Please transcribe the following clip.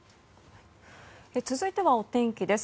続いてはお天気です。